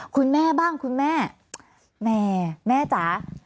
คุณแม่บ้างคุณแม่แม่แม่จ๋า